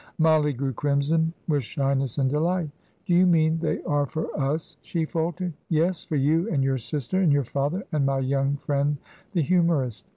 Mollie grew crimson with shyness and delight. "Do you mean they are for us?" she faltered. "Yes, for you and your sister, and your father, and my young friend the humourist.